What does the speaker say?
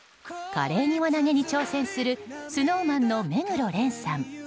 華麗に輪投げに挑戦するＳｎｏｗＭａｎの目黒蓮さん。